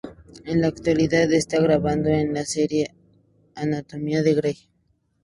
En la actualidad está trabajando en la serie "Anatomía de Grey".